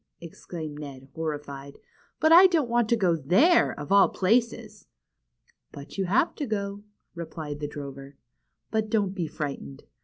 exclaimed Ned, horrified. But I don't want to go there, of all places." ^^But you have to go," replied the drover. ^^But don't be frightened.